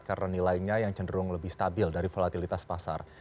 karena nilainya yang cenderung lebih stabil dari volatilitas pasar